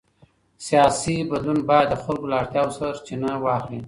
سیاسي بدلون باید د خلکو له اړتیاوو سرچینه واخلي